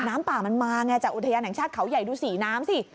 น้ำป่ามันมาไงจากอุทยานแห่งชาติเขาใหญ่ดูสีน้ำสิ